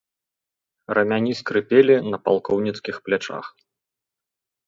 Рамяні скрыпелі на палкоўніцкіх плячах.